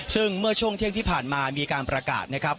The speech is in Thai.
ซึ่งเมื่อช่วงเที่ยงที่ผ่านมามีการประกาศนะครับ